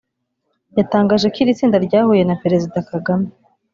yatangaje ko iri tsinda ryahuye na Perezida Kagame